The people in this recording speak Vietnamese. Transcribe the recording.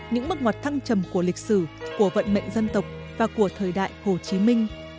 những bước ngoặt thăng trầm của lịch sử của vận mệnh dân tộc và của thời đại hồ chí minh